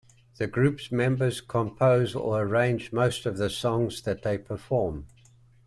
The group's members compose or arrange most of the songs that they perform.